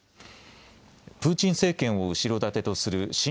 プーチン政権を後ろ盾とする親